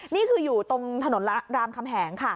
นี่คืออยู่ตรงถนนรามคำแหงค่ะ